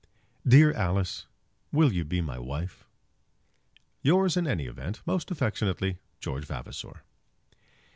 Dear Alice, will you be my wife? Yours, in any event, most affectionately, GEORGE VAVASOR.